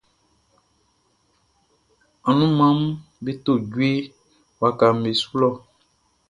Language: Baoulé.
Anumanʼm be to djue wakaʼm be su lɔ.